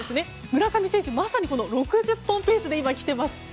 村上選手、まさに６０本ペースで今、来ています。